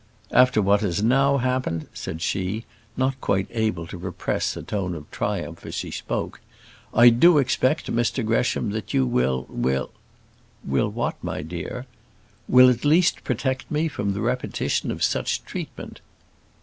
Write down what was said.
"After what has now happened," said she, not quite able to repress a tone of triumph as she spoke, "I do expect, Mr Gresham, that you will will " "Will what, my dear?" "Will at least protect me from the repetition of such treatment."